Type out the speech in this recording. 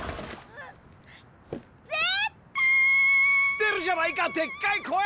出るじゃないかでっかい声！